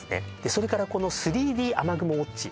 それからこの３Ｄ雨雲ウォッチ